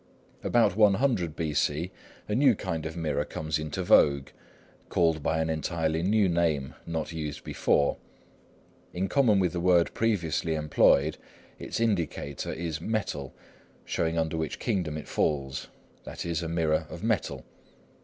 About one hundred years B.C., a new kind of mirror comes into vogue, called by an entirely new name, not before used. In common with the word previously employed, its indicator is "metal," showing under which kingdom it falls,—i.e. a mirror of metal.